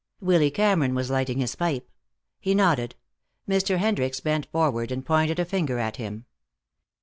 Willy Cameron was lighting his pipe. He nodded. Mr. Hendricks bent forward and pointed a finger at him.